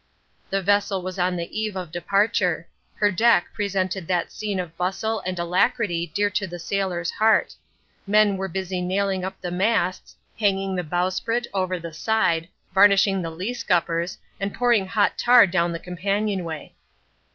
The vessel was on the eve of departure. Her deck presented that scene of bustle and alacrity dear to the sailor's heart. Men were busy nailing up the masts, hanging the bowsprit over the side, varnishing the lee scuppers and pouring hot tar down the companion way.